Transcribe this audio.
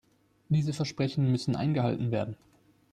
Diese Versprechen müssen eingehalten werden.